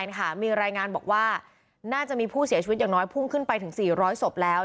มีรายงานบอกว่าน่าจะมีผู้เสียชีวิตอย่างน้อยพุ่งขึ้นไปถึง๔๐๐ศพแล้ว